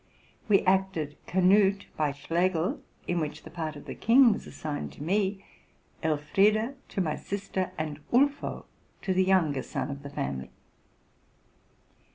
We acted '' Canute'' by Schlegel, in which the part of the king was assigned to me, Elfrida to my sister, and Ulfo to the younger son of the family.